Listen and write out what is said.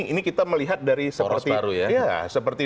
ini kita melihat dari seperti